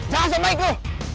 jangan sama ikut